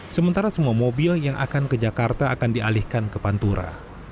sementara semua mobil yang akan ke jakarta akan dialihkan ke pantura